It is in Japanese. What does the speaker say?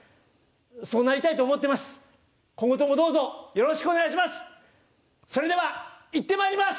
そうなりたいと思っています。